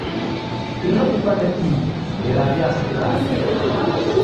Iro mipande iw'i nderaw'iasikirana.